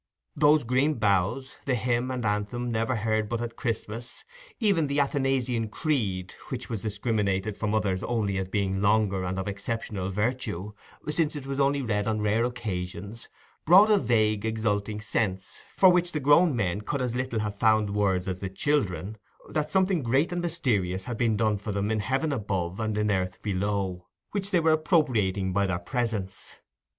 Those green boughs, the hymn and anthem never heard but at Christmas—even the Athanasian Creed, which was discriminated from the others only as being longer and of exceptional virtue, since it was only read on rare occasions—brought a vague exulting sense, for which the grown men could as little have found words as the children, that something great and mysterious had been done for them in heaven above and in earth below, which they were appropriating by their presence.